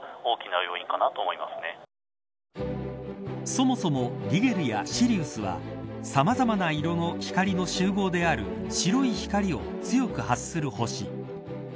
そもそもリゲルやシリウスはさまざまな色の光の集合である白い光を強く発する星。